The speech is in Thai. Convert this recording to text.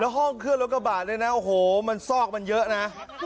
ห้องเครื่องรถกระบะเนี่ยนะโอ้โหมันซอกมันเยอะนะ